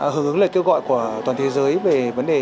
hướng ứng lời kêu gọi của toàn thế giới về vấn đề